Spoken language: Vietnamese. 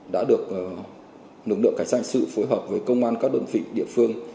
đã được lực lượng cảnh sát hình sự phối hợp với công an các đơn vị địa phương